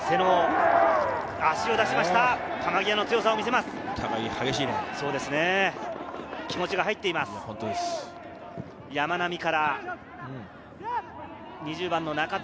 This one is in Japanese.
球際の強さを見せます、妹尾。